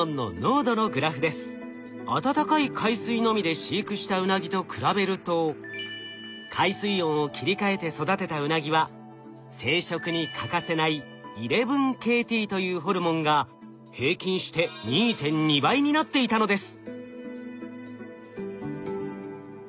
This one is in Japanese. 温かい海水のみで飼育したウナギと比べると海水温を切り替えて育てたウナギは生殖に欠かせない１１−ＫＴというホルモンが平均して２．２倍になっていたのです。